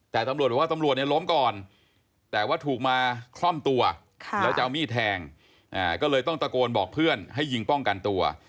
แต่ตำรวจบอกว่าตำรวจเนี่ยล้มก่อนแต่ว่าถูกมาคล่อมตัวแล้วจะเอามีดแทงก็เลยต้องตะโกนบอกเพื่อนให้ยิงป้องกันตัว